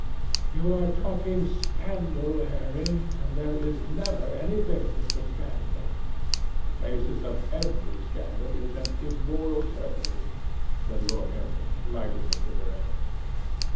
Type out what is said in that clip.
"You are talking scandal, Harry, and there is never any basis for scandal." "The basis of every scandal is an immoral certainty," said Lord Henry, lighting a cigarette.